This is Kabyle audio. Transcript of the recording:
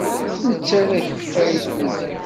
Nettarra akeffay d udi.